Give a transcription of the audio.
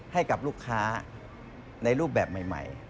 ให้กับลูกค้าในรูปแบบใหม่